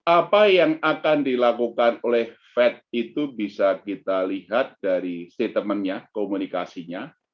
apa yang akan dilakukan oleh fed itu bisa kita lihat dari statementnya komunikasinya